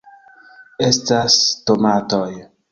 ... estas tomatoj